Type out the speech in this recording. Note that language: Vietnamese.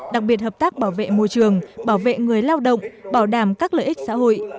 đặc biệt hợp tác bảo vệ môi trường bảo vệ người lao động bảo đảm các lợi ích xã hội